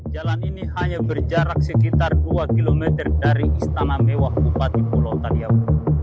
jalan ini hanya berjarak sekitar dua km dari istana mewah bupati pulau taliau